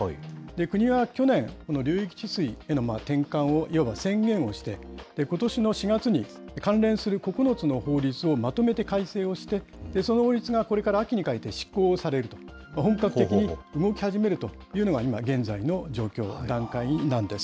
国は去年、この流域治水への転換を、いわば宣言をして、ことしの４月に関連する９つの法律をまとめて改正をして、その法律がこれから秋にかけて施行されると、本格的に動き始めるというのが、今現在の状況、段階なんです。